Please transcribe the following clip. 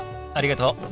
ありがとう。